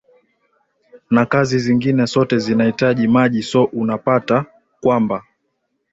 na kazi zingine sote zinaitaji maji so unapata kwamba